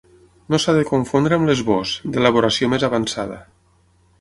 No s'ha de confondre amb l'esbós, d'elaboració més avançada.